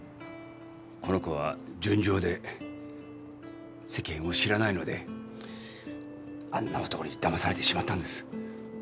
この子は純情で世間を知らないのであんな男にだまされてしまったんです。